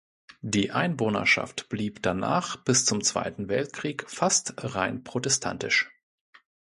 Die Einwohnerschaft blieb danach bis zum Zweiten Weltkrieg fast rein protestantisch.